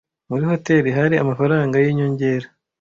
Muri hoteri hari amafaranga yinyongera